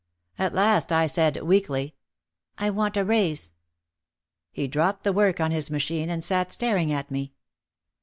At last I said weakly, "I want a raise." He dropped the work on his machine and sat staring at me.